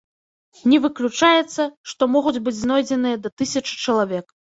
Не выключаецца, што могуць быць знойдзеныя да тысячы чалавек.